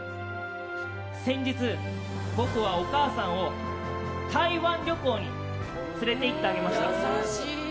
先日、僕はお母さんを台湾旅行に連れて行ってあげました。